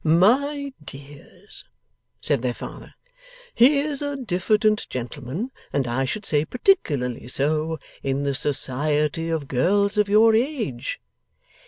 'My dears,' said their father, 'he is a diffident gentleman, and I should say particularly so in the society of girls of your age.